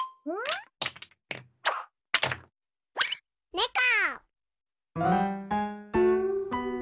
ねこ！